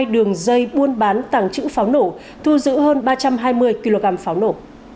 hai đường dây buôn bán tàng trữ pháo nổ thu giữ hơn ba trăm hai mươi kg pháo nổ